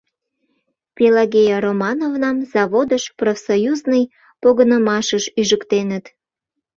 Пелагея Романовнам заводыш, профсоюзный погынымашыш ӱжыктеныт.